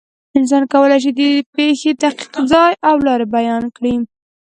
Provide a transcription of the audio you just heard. انسان کولی شي، چې د پېښې دقیق ځای او لارې بیان کړي.